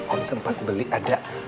om sempat beli ada